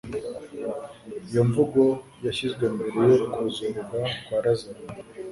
Iyo mvugo yashyizwe mbere yo kuzurwa kwa Lazaro